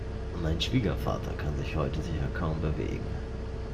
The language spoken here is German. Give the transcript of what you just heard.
Mein Schwiegervater kann sich heute sicher kaum bewegen.